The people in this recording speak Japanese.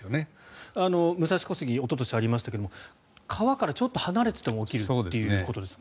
武蔵小杉おととしありましたが川からちょっと離れていても起きるということですよね。